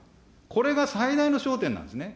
これが最大の焦点なんですね。